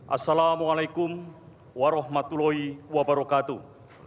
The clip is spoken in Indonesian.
assalamualaikum warahmatullahi wabarakatuh